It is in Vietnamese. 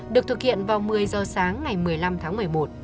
được thực hiện vào một mươi giờ sáng ngày một mươi năm tháng một mươi một